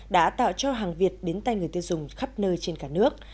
đã tạo cho hàng việt đến tay người tiêu dùng khắp nơi trên cả nước